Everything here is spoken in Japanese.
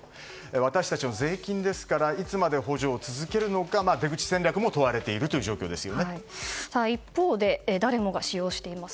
私たちの税金ですからいつまで補助を続けるのかただ、一方で誰もが使用しています